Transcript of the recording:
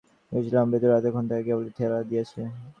বুঝিলাম, ভিতরে এতক্ষণ তাকে কেবলই ঠেলা দিয়াছে।